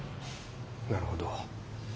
なるほど。